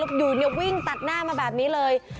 แล้วหยุดนะห้ายิ่งตัดหน้ามาแบบนี้เลย